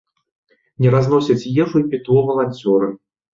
Не разносяць ежу і пітво валанцёры.